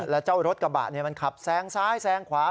แล้วเจ้ารถกระบะมันขับแซงซ้ายแซงขวา